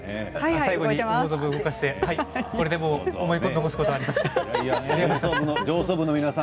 最後に思う存分動かしてこれでもう思い残すことはありません。